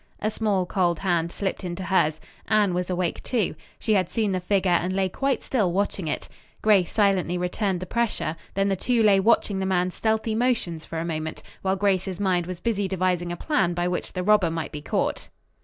A small, cold hand slipped into hers. Anne was awake too. She had seen the figure and lay quite still watching it. Grace silently returned the pressure; then the two lay watching the man's stealthy motions for a moment, while Grace's mind was busy devising a plan by which the robber might be caught.